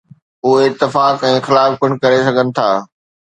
اهي اتفاق ۽ اختلاف پڻ ڪري سگهن ٿا.